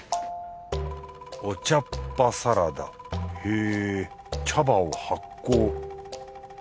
お茶っ葉サラダへぇ茶葉を発酵。